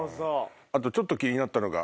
あとちょっと気になったのが。